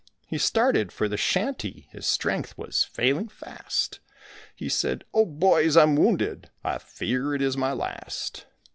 He started for the shanty, his strength was failing fast; He said, "Oh, boys, I'm wounded: I fear it is my last."